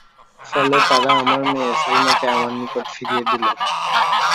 ফলে তারা আমার মেয়ে সালামাকে আমার নিকট ফিরিয়ে দিল।